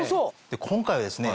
今回はですね